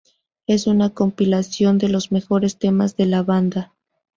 Es una compilación de los mejores temas de la banda.